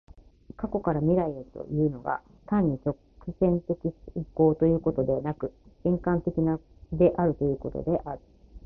過去から未来へというのが、単に直線的進行ということでなく、円環的であるということである。